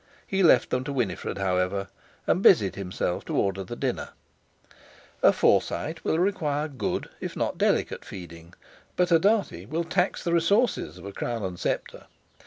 _ He left them to Winifred, however, and busied himself to order the dinner. A Forsyte will require good, if not delicate feeding, but a Dartie will tax the resources of a Crown and Sceptre.